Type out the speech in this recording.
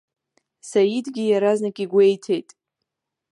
Саидгьы иаразнак игәеиҭеит.